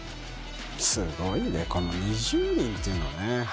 すごいねこの２０人っていうのがね。